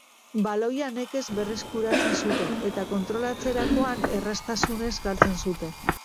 Baloia nekez berreskuratzen zuten eta kontrolatzerakoan errastazunez galtzen zuten.